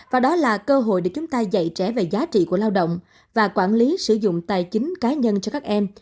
và đó là cơ hội để chúng ta dạy trẻ về giá trị của lao động và quản lý sử dụng tài chính cá nhân cho các em